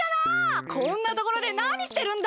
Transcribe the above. こんなところでなにしてるんだ？